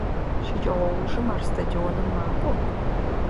Щэджэгъоужым ар стадионым макӏо.